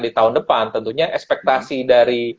di tahun depan tentunya ekspektasi dari